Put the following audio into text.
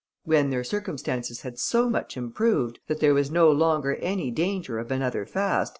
When their circumstances had so much improved, that there was no longer any danger of another fast, M.